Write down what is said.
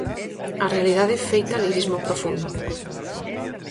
A realidade feita lirismo profundo.